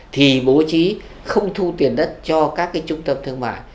thì bố trí không thu tiền đất cho các cái trung tâm thương mại